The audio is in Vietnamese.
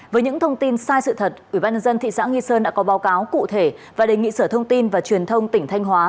với những thông tin sai sự thật ubnd thị xã nghi sơn đã có báo cáo cụ thể và đề nghị sở thông tin và truyền thông tỉnh thanh hóa